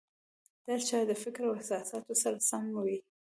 د هر چا د فکر او احساساتو سره سم وو.